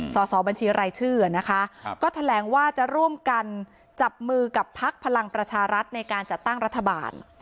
สอบบัญชีรายชื่อนะคะก็แถลงว่าจะร่วมกันจับมือกับพักพลังประชารัฐในการจัดตั้งรัฐบาล